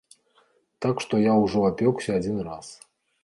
Так што я ўжо апёкся адзін раз.